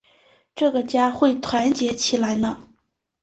这个家会团结起来呢？